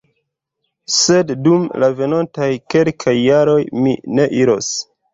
Sed dum la venontaj kelkaj jaroj mi ne iros.